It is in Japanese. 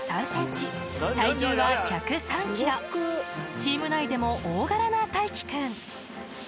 チーム内でも大柄な太城くん